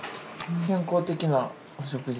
健康的なお食事。